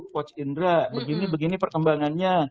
coach indra begini begini perkembangannya